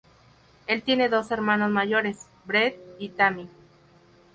Él tiene dos hermanos mayores: Bret y Tammy.